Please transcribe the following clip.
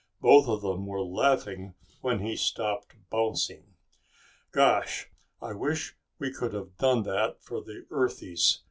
Both of them were laughing when he stopped bouncing. "Gosh, I wish we could have done that for the Earthies!"